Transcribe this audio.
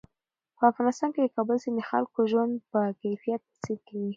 په افغانستان کې د کابل سیند د خلکو د ژوند په کیفیت تاثیر کوي.